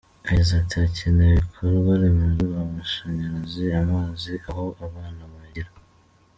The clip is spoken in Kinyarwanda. Yagize ati “Hakenewe ibikorwaremezo, amashanyarazi, amazi, aho abana bigira.